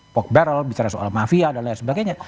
pock barrel bicara soal mafia dan lain sebagainya